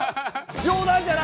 冗談じゃないよ！